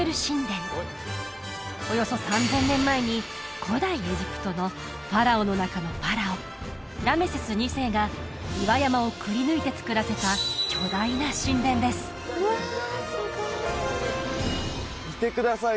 およそ３０００年前に古代エジプトのファラオの中のファラオラメセス２世が岩山をくりぬいて造らせた巨大な神殿です見てください